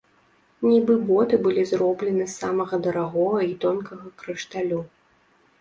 Нібы боты былі зроблены з самага дарагога і тонкага крышталю.